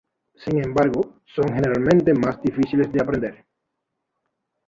Sin embargo, son generalmente más difíciles de aprender.